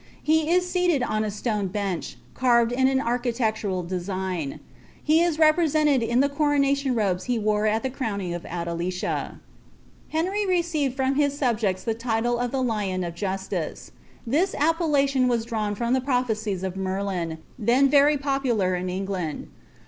Ue is sealed on a stone bench, carved in an architectoral deaigt He is represented in the coronation robes he wore at the crowning df Adelicia.' Henry received from his subjecls the title of the Lion of Jualice. TIb» appellation was drawn from the prophecies of Merlin, then very pofli'i in England.